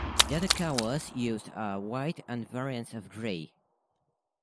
The other colours used are white and variants of grey.